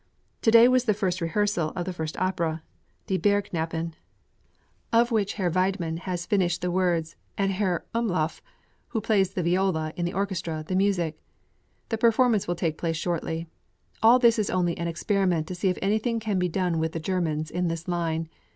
To day was the first rehearsal of the first opera ("Die Bergknappen"), of which Herr Weidmann has furnished the words, and Herr Umlauf, who plays the viola in the orchestra, the music. The performance will take place shortly. All this is only an experiment to see if anything can be done with the Germans in this line.